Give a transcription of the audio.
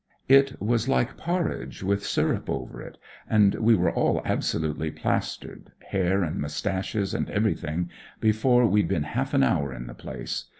It was like por ridge with S3rrup over it, and we were all absolutely plastered, hair and mou staches and everything, before we'd been half an hour in the place.